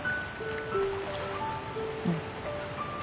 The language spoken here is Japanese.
うん。